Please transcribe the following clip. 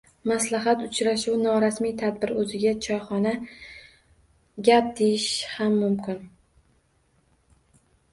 Maslahat uchrashuvi norasmiy tadbir, oʻziga choyxona, gap deyish ham mumkin.